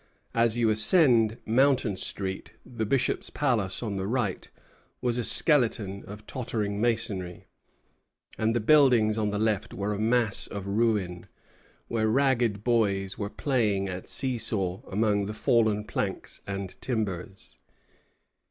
As you ascend Mountain Street, the Bishop's Palace, on the right, was a skeleton of tottering masonry, and the buildings on the left were a mass of ruin, where ragged boys were playing at see saw among the fallen planks and timbers.